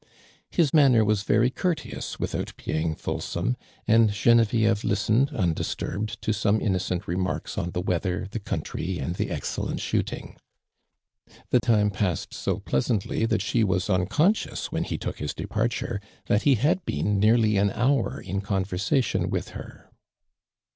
His manner was very courteous without being fulsome, and Oenevieve listened undisturbed to some innocent remarks on the weather, the coun tiy and the excellent shooting. The time passed so pleasantly that she wa.": imcon scions, when he took his departure, that he liad been nearly an hour in conversation with her.